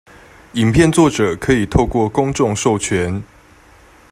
影片作者可以透過公眾授權